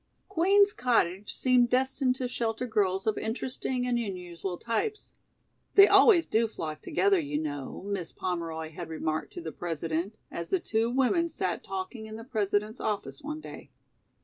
Queen's Cottage seemed destined to shelter girls of interesting and unusual types. "They always do flock together, you know," Miss Pomeroy had remarked to the President, as the two women sat talking in the President's office one day.